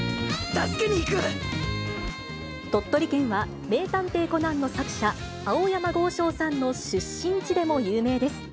鳥取県は、名探偵コナンの作者、青山剛昌さんの出身地でも有名です。